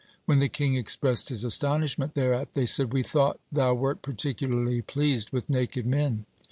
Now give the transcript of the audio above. When the king expressed his astonishment thereat, they said: "We thought thou wert particularly pleased with naked men."